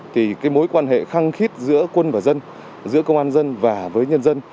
thì cái mối quan hệ khăng khít giữa quân và dân giữa công an dân và với nhân dân